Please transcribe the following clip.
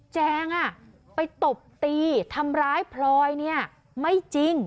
แจงไปตบตีทำร้ายพลอยเนี่ยไม่จริง